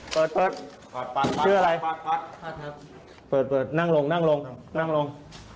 เปิดเปิดชื่ออะไรเปิดเปิดนั่งลงนั่งลงนั่งลง